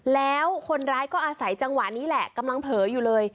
แล้วคนร้ายก็อาศัยจังหวะนี้แหละกำลังเผลออยู่เลย